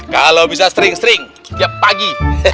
kalau bisa sering sering tiap pagi